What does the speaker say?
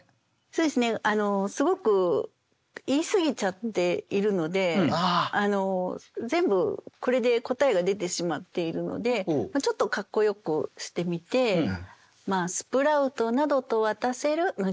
そうですねすごく言いすぎちゃっているので全部これで答えが出てしまっているのでちょっとかっこよくしてみて。というふうに。